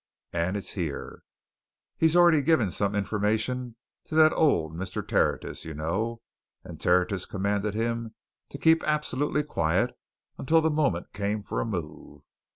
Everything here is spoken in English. And it's here he's already given some information to that old Mr. Tertius you know and Tertius commanded him to keep absolutely quiet until the moment came for a move.